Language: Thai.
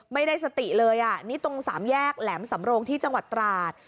ไม่ได้สติเลยอ่ะนี่ตรงสามแยกแหลมสำโรงที่จังหวัดตราด